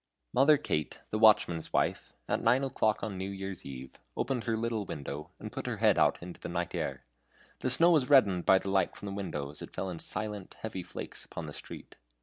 Mother Kate, the watchman's wife, at nine o'clock on New Year's Eve, opened her little window, and put out her head into the night air. The snow was reddened by the light from the window as it fell in silent, heavy flakes upon the street.